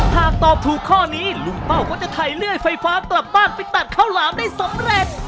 หากตอบถูกข้อนี้ลุงเป้าก็จะถ่ายเลื่อยไฟฟ้ากลับบ้านไปตัดข้าวหลามได้สำเร็จ